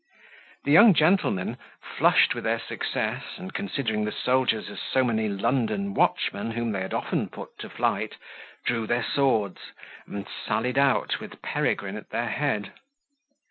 The young gentlemen, flushed with their success, and considering the soldiers as so many London watchmen whom they had often put to flight, drew their swords, and sallied out, with Peregrine at their head.